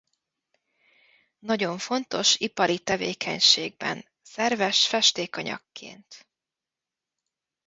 Nagyon fontos ipari tevékenységben szerves festékanyagént.